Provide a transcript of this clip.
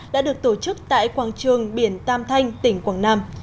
đã được tổ chức tại quảng trường biển tam thanh tỉnh quảng nam